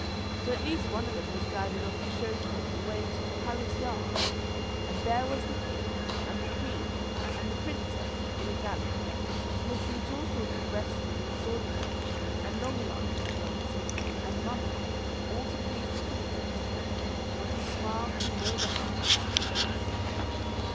So at last one of them was glad enough to show Tom the way to the palace yard; and there was the king, and the queen, and the princess, in a gallery, looking at all sorts of wrestling, and sword playing, and long dances, and mumming, all to please the princess; but not a smile came over her handsome face.